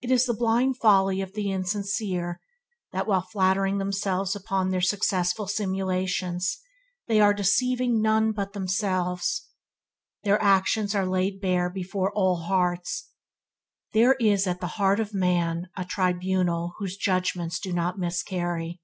It is the blind folly of the insincere that, while flattering themselves upon their successful simulations, they are deceiving none but themselves. Their actions are laid bare before all hearts. There is at the hear of man a tribunal whose judgements do not miscarry.